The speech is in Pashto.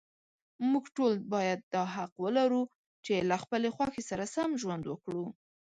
موږ ټول باید دا حق ولرو، چې له خپلې خوښې سره سم ژوند وکړو.